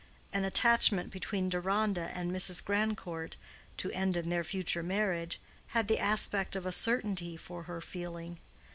An attachment between Deronda and Mrs. Grandcourt, to end in their future marriage, had the aspect of a certainty for her feeling.